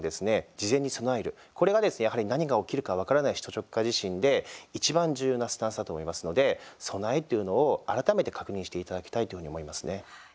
事前に備える、これがですねやはり何が起きるか分からない首都直下地震でいちばん重要なスタンスだと思いますので備えというのを改めて確認していただきたいというふうに思いますね。